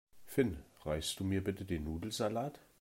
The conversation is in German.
Finn, reichst du mir bitte den Nudelsalat?